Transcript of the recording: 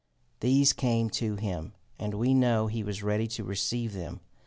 These came to him, and we know he was ready to receive them.